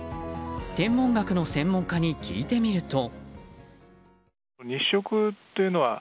天文学の専門家に聞いてみると。